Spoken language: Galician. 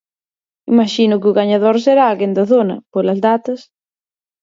Imaxino que o gañador será alguén da zona, polas datas.